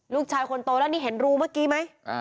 ลูกชายคนโตนะนี่เห็นรูเมื่อกี้มั้ย